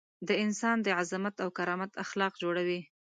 د انسان د عظمت او کرامت اخلاق جوړوي.